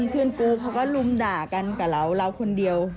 ผู้ชายค่ะตัวใหญ่